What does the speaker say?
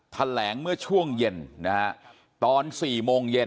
แถลงเมื่อช่วงเย็นนะฮะตอน๔โมงเย็น